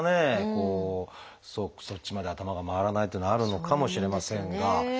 こうそっちまで頭が回らないっていうのはあるのかもしれませんが。